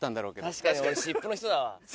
確かに俺湿布の人だわ。